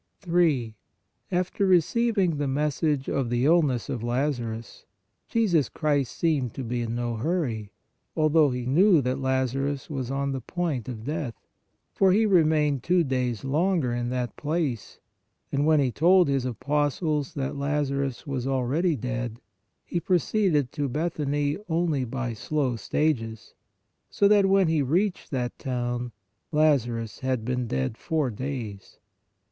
3. After receiving the message of the illness of Lazarus, Jesus Christ seemed to be in no hurry, although He knew that Lazarus was on the point of death, for He remained two days longer in that place, and when He told His apostles that Lazarus was already dead, He proceeded to Bethany only by slow stages, so that when He reached that town, Lazarus had been dead four days.